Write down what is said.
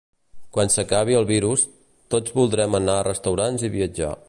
Quan s’acabi el virus, tots voldrem anar a restaurants i viatjar.